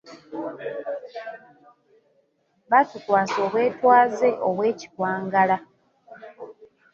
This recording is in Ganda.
Batukwasa obwetwaze obw'ekikwangala.